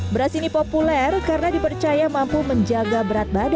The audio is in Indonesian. beras ini populer karena dipercaya mampu menjaga berat badan